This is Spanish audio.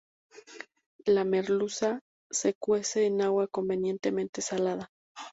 La merluza se cuece en agua convenientemente salada.